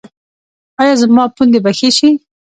ایا زما پوندې به ښې شي؟